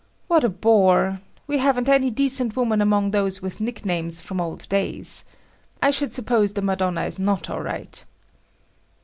"What a bore! We haven't any decent woman among those with nicknames from old days. I should suppose the Madonna is not all right."